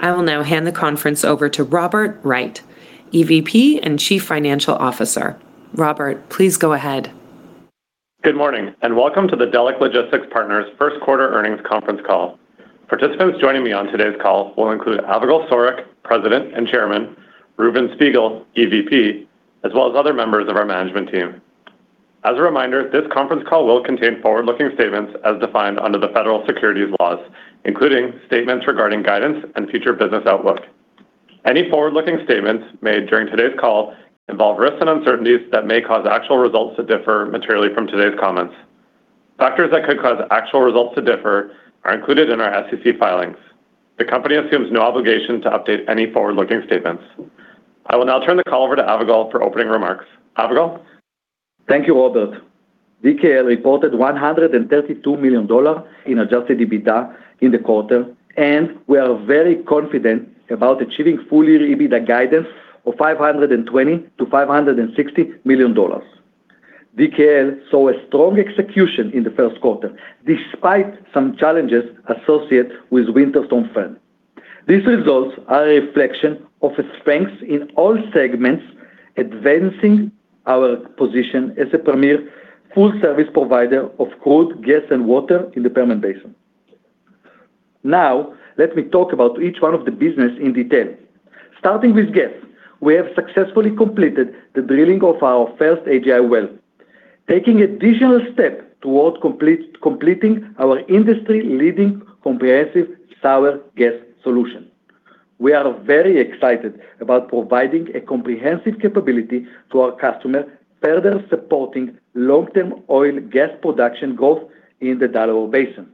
I will now hand the conference over to Robert Wright, Executive Vice President and Chief Financial Officer. Robert, please go ahead. Good morning, welcome to the Delek Logistics Partners first quarter earnings conference call. Participants joining me on today's call will include Avigal Soreq, President and Chairman, Reuven Spiegel, EVP, as well as other members of our management team. As a reminder, this conference call will contain forward-looking statements as defined under the Federal Securities laws, including statements regarding guidance and future business outlook. Any forward-looking statements made during today's call involve risks and uncertainties that may cause actual results to differ materially from today's comments. Factors that could cause actual results to differ are included in our SEC filings. The company assumes no obligation to update any forward-looking statements. I will now turn the call over to Avigal for opening remarks. Avigal? Thank you, Robert. DKL reported $132 million in adjusted EBITDA in the quarter. We are very confident about achieving full-year EBITDA guidance of $520 million-$560 million. DKL saw a strong execution in the first quarter, despite some challenges associated with Winter Storm Fern. These results are a reflection of strengths in all segments, advancing our position as a premier full-service provider of crude, gas, and water in the Permian Basin. Now, let me talk about each one of the business in detail. Starting with gas, we have successfully completed the drilling of our first AGI well, taking additional step towards completing our industry-leading comprehensive sour gas solution. We are very excited about providing a comprehensive capability to our customer, further supporting long-term oil gas production growth in the Delaware Basin.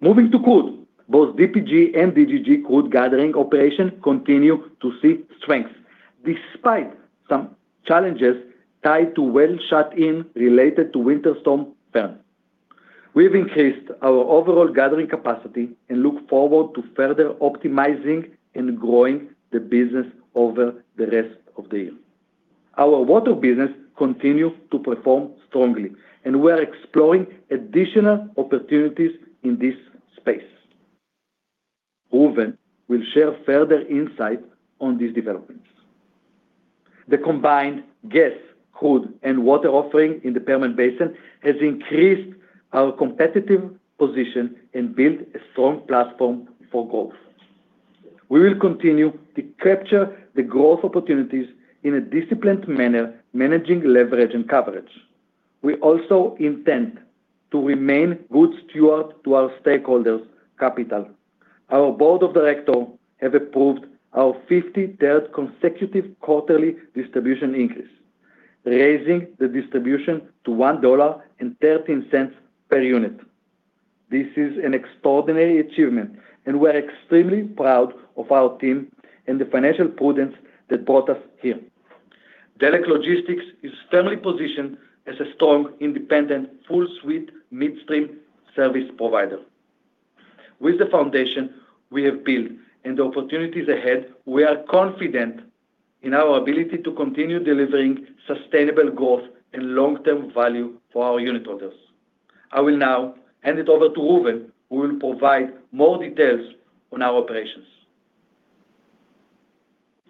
Moving to crude, both DPG and DGG crude gathering operations continue to see strength, despite some challenges tied to well shut in related to Winter Storm Fern. We've increased our overall gathering capacity and look forward to further optimizing and growing the business over the rest of the year. Our water business continues to perform strongly, and we're exploring additional opportunities in this space. Reuven will share further insight on these developments. The combined gas, crude, and water offering in the Permian Basin has increased our competitive position and built a strong platform for growth. We will continue to capture the growth opportunities in a disciplined manner, managing leverage and coverage. We also intend to remain good steward to our stakeholders' capital. Our board of director have approved our 53rd consecutive quarterly distribution increase, raising the distribution to $1.13 per unit. This is an extraordinary achievement, and we're extremely proud of our team and the financial prudence that brought us here. Delek Logistics is firmly positioned as a strong, independent, full-suite midstream service provider. With the foundation we have built and the opportunities ahead, we are confident in our ability to continue delivering sustainable growth and long-term value for our unitholders. I will now hand it over to Reuven, who will provide more details on our operations.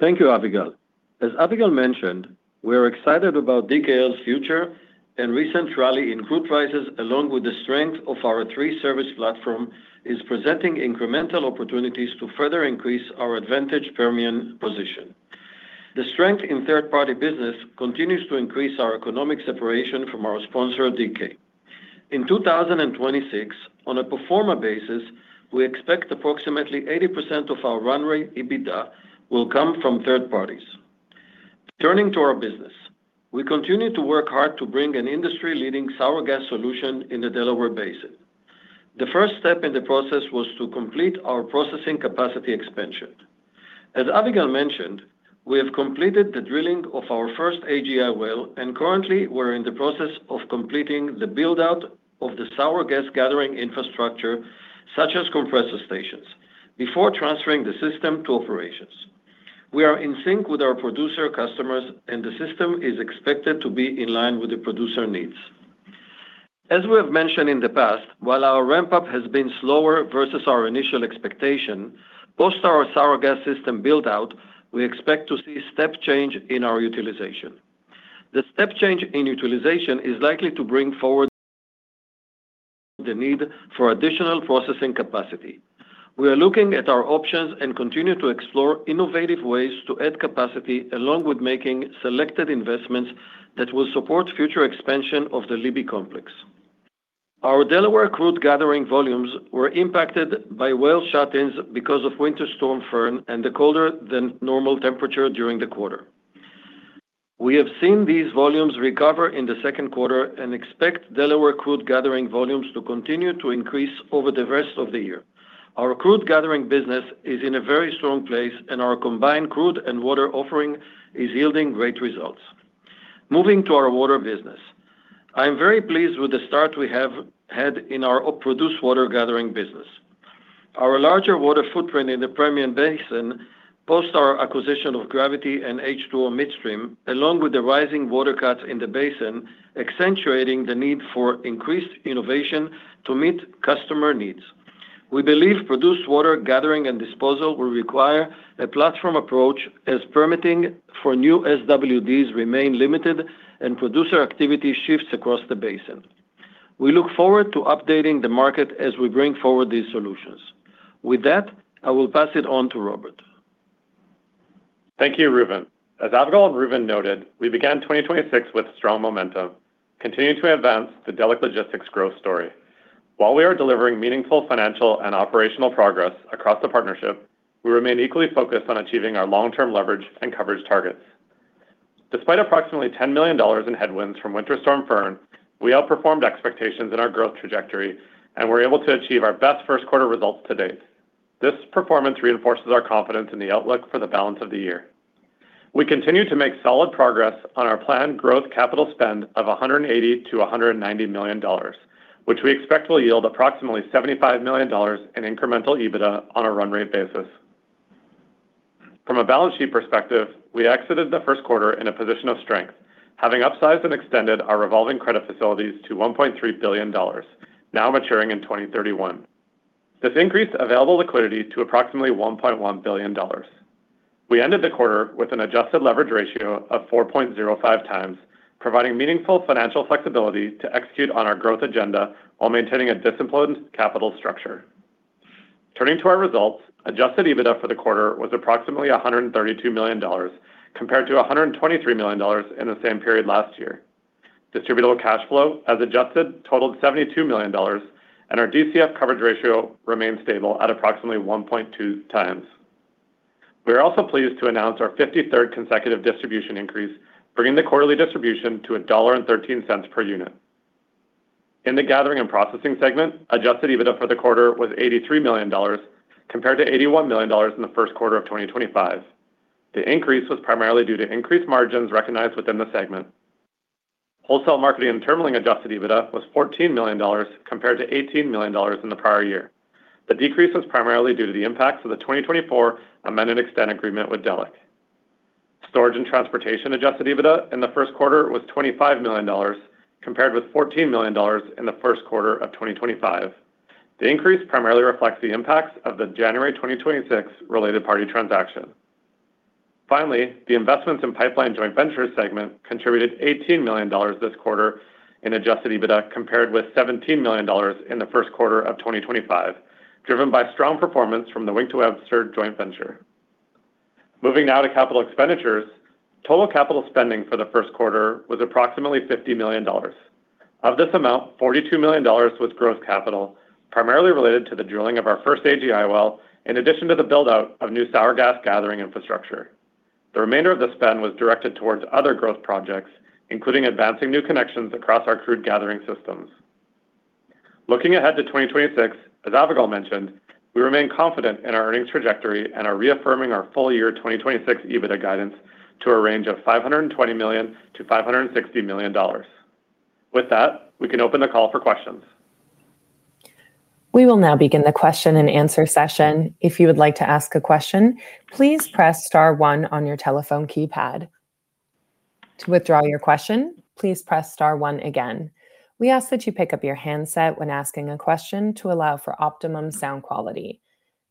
Thank you, Avigal. As Avigal mentioned, we are excited about DKL's future, recent rally in crude prices, along with the strength of our three-service platform, is presenting incremental opportunities to further increase our advantage Permian position. The strength in third-party business continues to increase our economic separation from our sponsor, DK. In 2026, on a pro forma basis, we expect approximately 80% of our run rate EBITDA will come from third parties. Turning to our business. We continue to work hard to bring an industry-leading sour gas solution in the Delaware Basin. The first step in the process was to complete our processing capacity expansion. As Avigal mentioned, we have completed the drilling of our first AGI well, currently we're in the process of completing the build-out of the sour gas gathering infrastructure, such as compressor stations, before transferring the system to operations. We are in sync with our producer customers, and the system is expected to be in line with the producer needs. As we have mentioned in the past, while our ramp-up has been slower versus our initial expectation, post our sour gas system build-out, we expect to see step change in our utilization. The step change in utilization is likely to bring forward the need for additional processing capacity. We are looking at our options and continue to explore innovative ways to add capacity, along with making selected investments that will support future expansion of the Libby Complex. Our Delaware crude gathering volumes were impacted by well shut-ins because of Winter Storm Fern and the colder than normal temperature during the quarter. We have seen these volumes recover in the second quarter and expect Delaware crude gathering volumes to continue to increase over the rest of the year. Our crude gathering business is in a very strong place, and our combined crude and water offering is yielding great results. Moving to our water business. I am very pleased with the start we have had in our produced water gathering business. Our larger water footprint in the Permian Basin Post our acquisition of Gravity and H2O Midstream, along with the rising water cuts in the basin accentuating the need for increased innovation to meet customer needs, we believe produced water gathering and disposal will require a platform approach as permitting for new SWDs remain limited and producer activity shifts across the basin. We look forward to updating the market as we bring forward these solutions. With that, I will pass it on to Robert. Thank you, Reuven. As Avigal and Reuven noted, we began 2026 with strong momentum, continuing to advance the Delek Logistics growth story. While we are delivering meaningful financial and operational progress across the partnership, we remain equally focused on achieving our long-term leverage and coverage targets. Despite approximately $10 million in headwinds from Winter Storm Fern, we outperformed expectations in our growth trajectory, and were able to achieve our best first quarter results to date. This performance reinforces our confidence in the outlook for the balance of the year. We continue to make solid progress on our planned growth capital spend of $180 million-$190 million, which we expect will yield approximately $75 million in incremental EBITDA on a run rate basis. From a balance sheet perspective, we exited the first quarter in a position of strength, having upsized and extended our revolving credit facilities to $1.3 billion, now maturing in 2031. This increased available liquidity to approximately $1.1 billion. We ended the quarter with an adjusted leverage ratio of 4.05x, providing meaningful financial flexibility to execute on our growth agenda while maintaining a disciplined capital structure. Turning to our results, adjusted EBITDA for the quarter was approximately $132 million, compared to $123 million in the same period last year. Distributable cash flow, as adjusted, totaled $72 million, and our DCF coverage ratio remains stable at approximately 1.2x. We are also pleased to announce our 53rd consecutive distribution increase, bringing the quarterly distribution to $1.13 per unit. In the gathering and processing segment, adjusted EBITDA for the quarter was $83 million, compared to $81 million in the first quarter of 2025. The increase was primarily due to increased margins recognized within the segment. Wholesale marketing and terminalling adjusted EBITDA was $14 million, compared to $18 million in the prior year. The decrease was primarily due to the impacts of the 2024 amended extend agreement with Delek. Storage and transportation adjusted EBITDA in the first quarter was $25 million, compared with $14 million in the first quarter of 2025. The increase primarily reflects the impacts of the January 2026 related party transaction. Finally, the investments in pipeline joint venture segment contributed $18 million this quarter in adjusted EBITDA, compared with $17 million in the first quarter of 2025, driven by strong performance from the Wink to Webster joint venture. Moving now to capital expenditures. Total capital spending for the first quarter was approximately $50 million. Of this amount, $42 million was growth capital, primarily related to the drilling of our first AGI well, in addition to the build-out of new sour gas gathering infrastructure. The remainder of the spend was directed towards other growth projects, including advancing new connections across our crude gathering systems. Looking ahead to 2026, as Avigal mentioned, we remain confident in our earnings trajectory and are reaffirming our full year 2026 EBITDA guidance to a range of $520 million-$560 million. With that, we can open the call for questions. We will now begin the question and answer session. If you would like to ask a question, please press star one on your telephone keypad. To withdraw your question, please press star one again. We ask that you pick up your handset when asking a question to allow for optimum sound quality.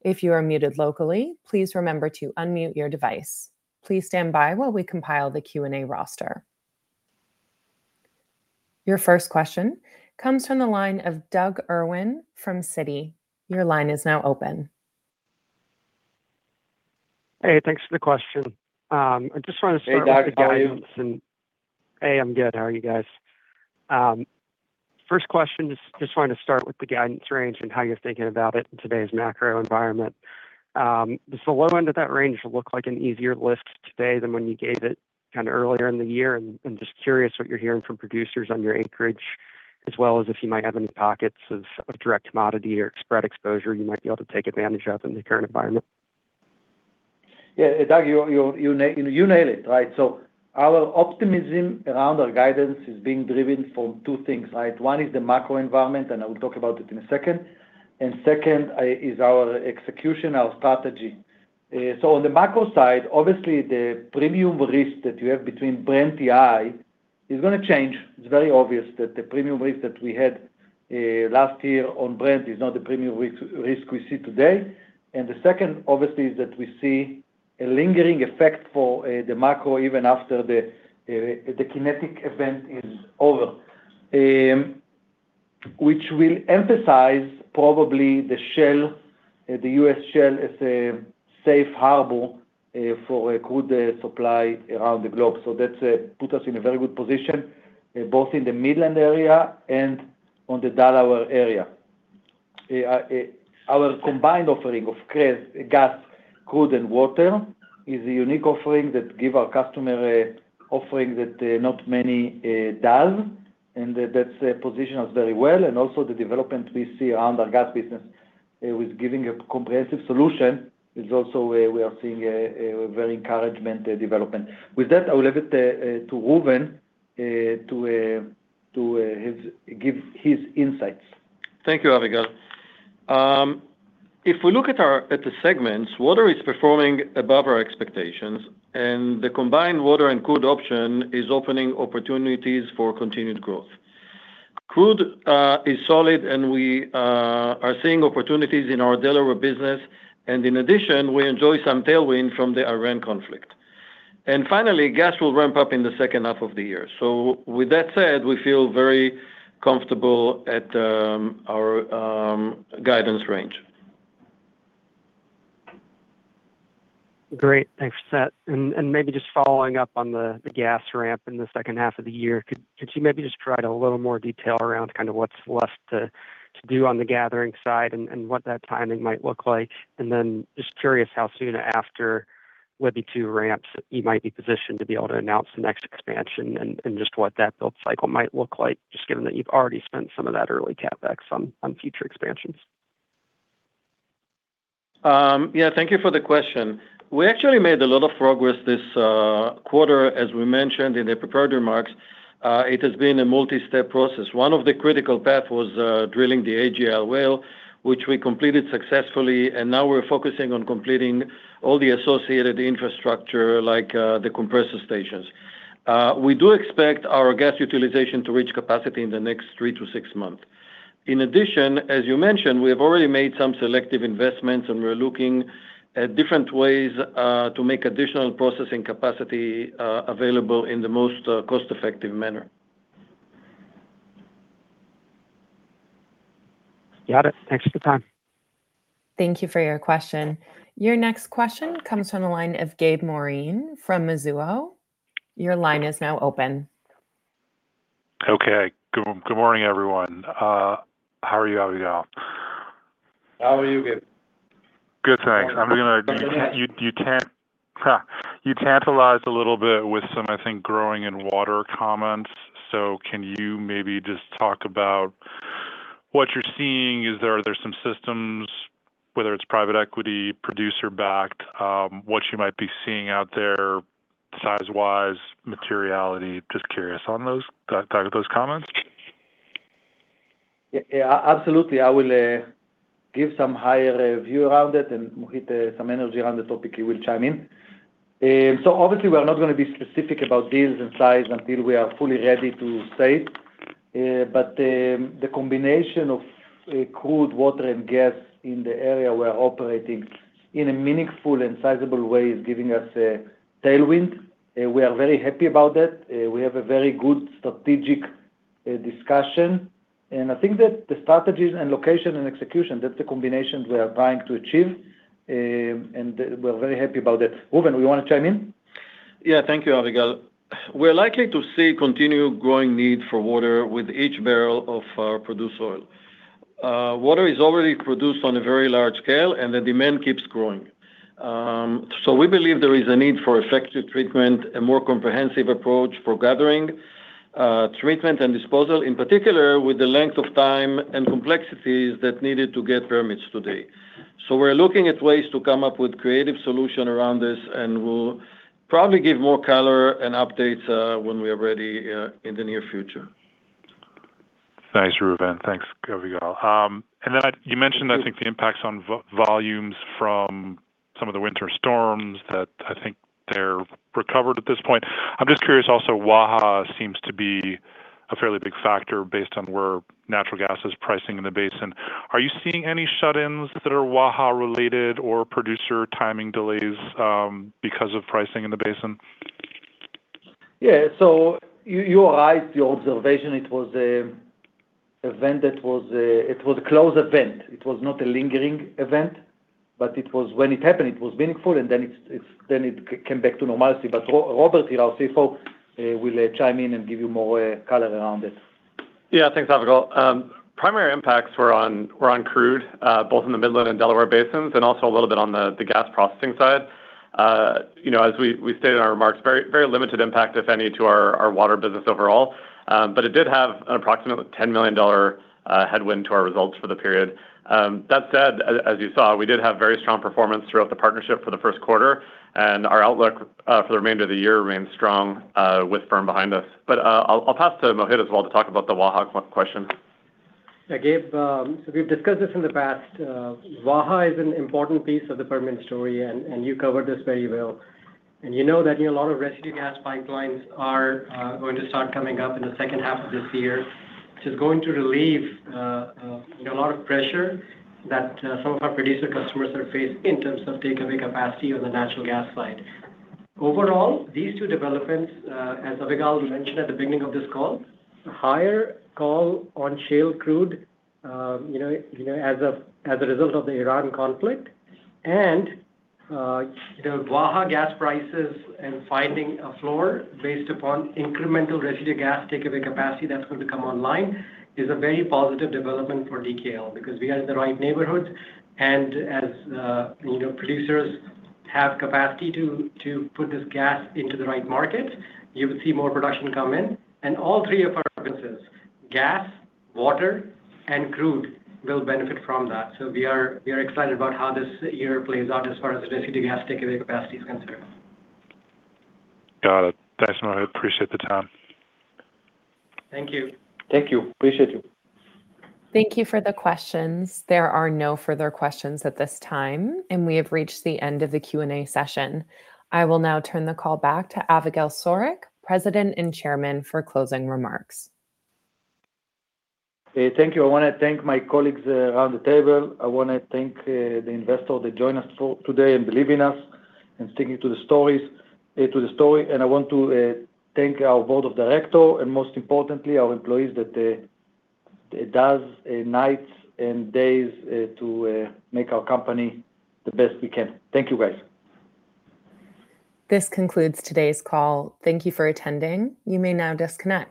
If you are muted locally, please remember to unmute your device. Please stand by while we compile the Q&A roster. Your first question comes from the line of Doug Irwin from Citi. Your line is now open. Hey, thanks for the question. I just wanted to start with the guidance- Hey, Doug Irwin. How are you? Hey, I'm good. How are you guys? First question, just wanted to start with the guidance range and how you're thinking about it in today's macro environment. Does the low end of that range look like an easier lift today than when you gave it kinda earlier in the year? Just curious what you're hearing from producers on your acreage, as well as if you might have any pockets of direct commodity or spread exposure you might be able to take advantage of in the current environment. Yeah. Doug, you nailed it, right? Our optimism around our guidance is being driven from two things, right? One is the macro environment. I will talk about it in a second. Second is our execution, our strategy. On the macro side, obviously the premium risk that you have between Brent WTI is gonna change. It's very obvious that the premium risk that we had last year on Brent is not the premium risk we see today. The second obviously is that we see a lingering effect for the macro even after the kinetic event is over. Which will emphasize probably the shale, the U.S. shale as a safe harbor for a crude supply around the globe. That's put us in a very good position, both in the Midland area and on the Delaware area. Our combined offering of crest, gas, crude, and water is a unique offering that give our customer a offering that not many does, and that positions us very well. Also the development we see around our gas business, with giving a comprehensive solution is also, we are seeing a very encouragement development. With that, I will leave it to Reuven to give his insights. Thank you, Avigal. If we look at our, at the segments, water is performing above our expectations, and the combined water and crude option is opening opportunities for continued growth. Crude is solid, we are seeing opportunities in our Delaware business, in addition, we enjoy some tailwind from the Iran conflict. Finally, gas will ramp up in the second half of the year. With that said, we feel very comfortable at our guidance range. Great. Thanks for that. Maybe just following up on the gas ramp in the second half of the year, could you maybe just provide a little more detail around kind of what's left to do on the gathering side and what that timing might look like? Then just curious how soon after with the two ramps you might be positioned to be able to announce the next expansion and just what that build cycle might look like, just given that you've already spent some of that early CapEx on future expansions. Yeah, thank you for the question. We actually made a lot of progress this quarter, as we mentioned in the prepared remarks. It has been a multi-step process. One of the critical path was drilling the AGI well, which we completed successfully, and now we're focusing on completing all the associated infrastructure like the compressor stations. We do expect our gas utilization to reach capacity in the next three to six month. In addition, as you mentioned, we have already made some selective investments, and we're looking at different ways to make additional processing capacity available in the most cost-effective manner. Got it. Thanks for the time. Thank you for your question. Your next question comes from the line of Gabe Moreen from Mizuho. Your line is now open. Okay. Good morning, everyone. How are you, Avigal? How are you, Gabe? Good, thanks. I'm doing good. You can- You tantalized a little bit with some, I think, growing in water comments. Can you maybe just talk about what you're seeing? Are there some systems, whether it's private equity, producer-backed, what you might be seeing out there size-wise, materiality? Just curious on those thought of those comments. Yeah, yeah. Absolutely. I will give some higher view around it, Mohit, some energy around the topic, he will chime in. Obviously we're not gonna be specific about deals and size until we are fully ready to say it. The combination of crude water and gas in the area we're operating in a meaningful and sizable way is giving us a tailwind. We are very happy about that. We have a very good strategic discussion, I think that the strategies and location and execution, that's the combination we are trying to achieve. We're very happy about that. Reuven, you wanna chime in? Thank you, Avigal. We're likely to see continued growing need for water with each barrel of produced oil. Water is already produced on a very large scale, and the demand keeps growing. We believe there is a need for effective treatment, a more comprehensive approach for gathering, treatment, and disposal, in particular with the length of time and complexities that needed to get permits today. We're looking at ways to come up with creative solution around this, and we'll probably give more color and updates when we are ready in the near future. Thanks, Reuven. Thanks, Avigal. You mentioned, I think, the impacts on volumes from some of the winter storms that I think they're recovered at this point. I'm just curious also, Waha seems to be a fairly big factor based on where natural gas is pricing in the basin. Are you seeing any shut-ins that are Waha related or producer timing delays because of pricing in the basin? Yeah. You are right. The observation, it was a event that was, it was close event. It was not a lingering event, but it was when it happened, it was meaningful, and then it came back to normalcy. Robert, our CFO, will chime in and give you more color around it. Thanks, Avigal. Primary impacts were on crude, both in the Midland and Delaware basins, and also a little bit on the gas processing side. You know, as we stated in our remarks, very limited impact, if any, to our water business overall. It did have an approximate $10 million headwind to our results for the period. That said, as you saw, we did have very strong performance throughout the partnership for the first quarter, and our outlook for the remainder of the year remains strong, with Fern behind us. I'll pass to Mohit as well to talk about the Waha question. Yeah, Gabe, we've discussed this in the past. Waha is an important piece of the Permian story, and you covered this very well. You know that a lot of residue gas pipelines are going to start coming up in the second half of this year, which is going to relieve, you know, a lot of pressure that some of our producer customers are faced in terms of take away capacity on the natural gas side. Overall, these two developments, as Avigal mentioned at the beginning of this call, higher call on shale crude, you know, as a result of the Iran conflict, Waha gas prices and finding a floor based upon incremental residue gas take away capacity that's going to come online is a very positive development for DKL because we are in the right neighborhood. As producers have capacity to put this gas into the right market, you will see more production come in. All three of our businesses, gas, water, and crude, will benefit from that. We are excited about how this year plays out as far as the residue gas take away capacity is concerned. Got it. Thanks, Mohit. Appreciate the time. Thank you. Thank you. Appreciate you. Thank you for the questions. There are no further questions at this time, and we have reached the end of the Q&A session. I will now turn the call back to Avigal Soreq, President and Chairman, for closing remarks. Thank you. I wanna thank my colleagues around the table. I wanna thank the investor that join us for today and believe in us and sticking to the story. I want to thank our board of directors and most importantly, our employees that does nights and days to make our company the best we can. Thank you, guys. This concludes today's call. Thank you for attending. You may now disconnect.